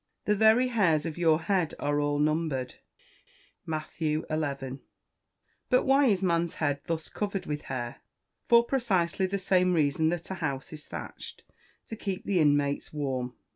[Verse: "The very hairs of your head are all numbered." MATTHEW XI.] But why is man's head thus covered with hair? For precisely the same reason that a house is thatched to keep the inmates warm.